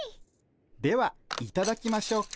ではいただきましょうか。